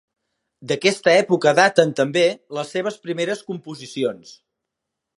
D'aquesta època daten també les seves primeres composicions.